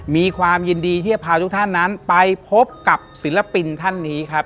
มีความยินดีที่จะพาทุกท่านนั้นไปพบกับศิลปินท่านนี้ครับ